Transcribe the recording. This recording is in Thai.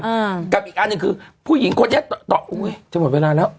อืมกับอีกอันนึงคือผู้หญิงคนแล้วต่อต่ออุ๊ยจะหมดเวลาแล้ว